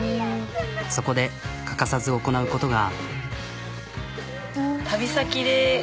そこで欠かさず行なうことが。